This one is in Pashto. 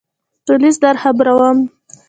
پولیس درخبروم !